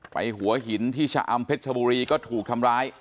หัวหินที่ชะอำเพชรชบุรีก็ถูกทำร้าย